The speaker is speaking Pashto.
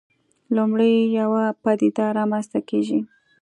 لومړی یوه پدیده رامنځته کېږي.